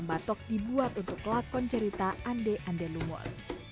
batok dibuat untuk lakon cerita ande ande lumut